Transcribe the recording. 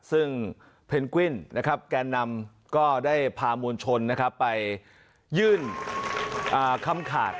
ซึ่งเพนกวิ้นนะครับแกนนำก็ได้พามวลชนนะครับไปยื่นค่ำขาด